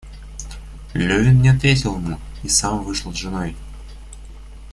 Левин не ответил ему и сам вышел с женой.